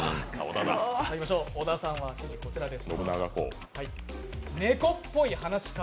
小田さんは、こちらです。